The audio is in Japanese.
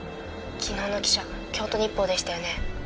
昨日の記者京都日報でしたよね？